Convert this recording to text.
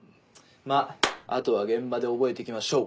まぁあとは現場で覚えていきましょう。